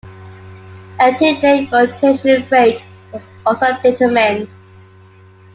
A two-day rotation rate was also determined.